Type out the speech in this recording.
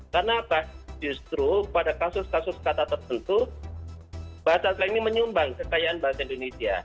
karena apa justru pada kasus kasus kata tertentu bahasa slang ini menyumbang kekayaan bahasa indonesia